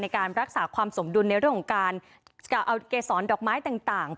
ในการรักษาความสมดุลในเรื่องของการเอาเกษรดอกไม้ต่าง